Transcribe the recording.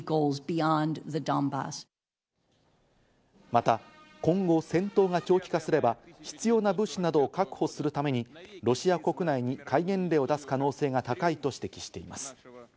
また、今後戦闘が長期化すれば、必要な物資などを確保するためにロシア国内に戒厳令を出す可能性が高いと指摘しています。